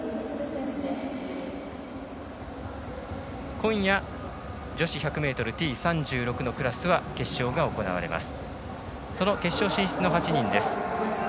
今夜、女子１００ｍＴ３６のクラスは決勝が行われます。